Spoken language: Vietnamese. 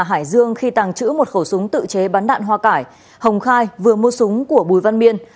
hải dương khi tàng trữ một khẩu súng tự chế bắn đạn hoa cải hồng khai vừa mua súng của bùi văn miên